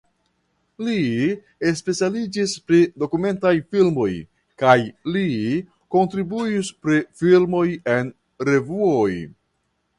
Li specialiĝis pri dokumentaj filmoj kaj li kontribuis pri filmoj en revuoj.